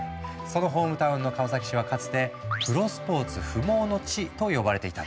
そのホームタウンの川崎市はかつて「プロスポーツ不毛の地」と呼ばれていたんだ。